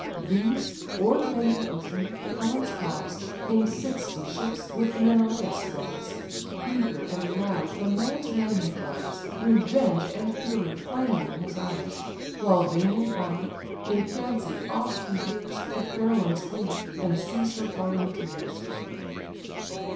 These, o'er the bending ocean, Helen's cause, In sixty ships with Menelaus draws: Eager and loud from man to man he flies, Revenge and fury flaming in his eyes; While vainly fond, in fancy oft he hears The fair one's grief, and sees her falling tears.